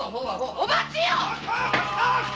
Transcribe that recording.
お待ちよ